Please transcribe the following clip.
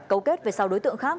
cấu kết về sáu đối tượng khác